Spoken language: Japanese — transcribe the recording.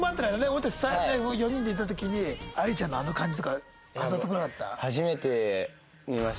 俺たち４人でいた時に愛理ちゃんのあの感じとかあざとくなかった？